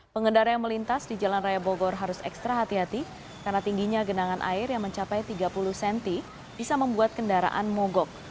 pengendara yang melintas di jalan raya bogor harus ekstra hati hati karena tingginya genangan air yang mencapai tiga puluh cm bisa membuat kendaraan mogok